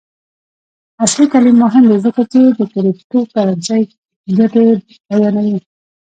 عصري تعلیم مهم دی ځکه چې د کریپټو کرنسي ګټې بیانوي.